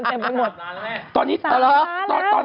ต้องมาดูคันเต็มไปหมด